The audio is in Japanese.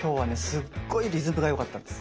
すっごいリズムがよかったです。